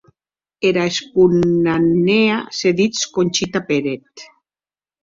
Era esponanèa se dits Conxita Peret.